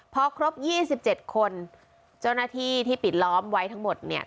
พอครบ๒๗คนเจ้าหน้าที่ที่ปิดล้อมไว้ทั้งหมดเนี่ย